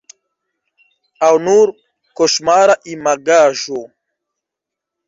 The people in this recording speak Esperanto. Aŭ nur koŝmara imagaĵo?